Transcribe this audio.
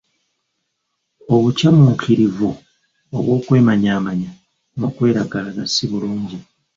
Obukyamuukirivu obw'okwemanyamanya n'okweragalaga si bulungi